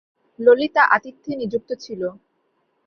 ললিতা আতিথ্যে নিযুক্ত ছিল।